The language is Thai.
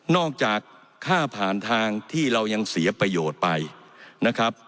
จากค่าผ่านทางที่เรายังเสียประโยชน์ไปนะครับ